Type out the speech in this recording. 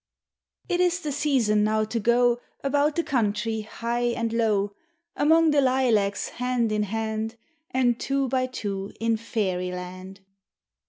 It is the season now to go About the country high and low, Among the lilacs hand in hand, And two by two in fairy land.